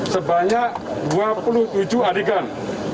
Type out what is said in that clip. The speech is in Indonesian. sebanyak dua puluh tujuh adegan